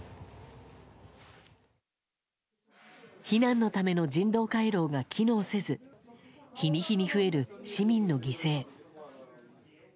避難のための人道回廊が機能せず日に日に増える市民の犠牲。